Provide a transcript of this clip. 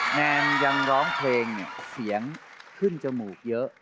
นางยังร้องเพลงเสียงขึ้นจมูกเยอะ